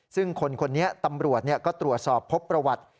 ซึ่งคนคนนี้ตำรวจก็ตรวจสอบพบประวัติ